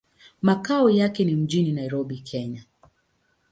Makao yake ni mjini Nairobi, Kenya.